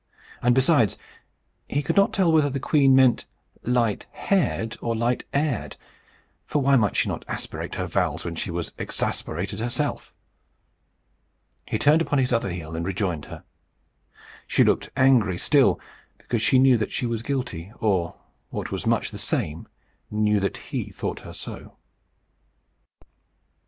And besides, he could not tell whether the queen meant light haired or light heired; for why might she not aspirate her vowels when she was ex asperated herself? He turned upon his other heel, and rejoined her. She looked angry still, because she knew that she was guilty, or, what was much the same, knew that he thought so.